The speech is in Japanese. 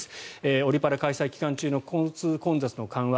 オリ・パラ開催期間中の交通混雑緩和